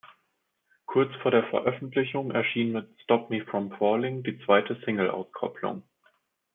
Kurz vor der Veröffentlichung erschien mit "Stop Me From Falling" die zweite Singleauskopplung.